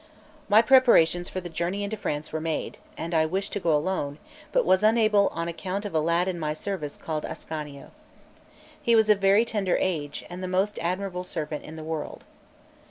My preparations for the journey into France were made; and I wished to go alone, but was unable on account of a lad in my service called Ascanio. He was of very tender age, and the most admirable servant in the world.